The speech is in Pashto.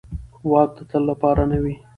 واک د تل لپاره نه وي